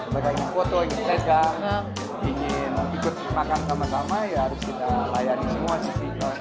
bagaimana foto ingin nge sendang ingin ikut makan sama sama ya harus kita layani semua sisi